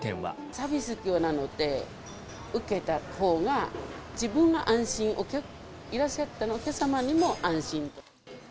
サービス業なので、受けたほうが自分が安心、いらっしゃったお客様にも安心と。